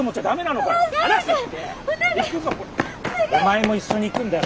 お前も一緒に行くんだよ。